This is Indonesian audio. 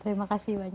terima kasih banyak